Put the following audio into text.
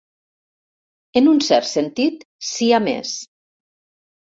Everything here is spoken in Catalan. En un cert sentit, siamès.